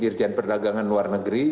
dirjen perdagangan luar negeri